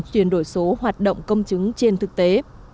chuyển đổi số hoạt động công chứng trên thực tế